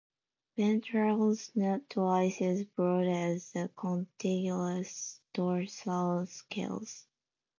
Ventrals not twice as broad as the contiguous dorsal scales.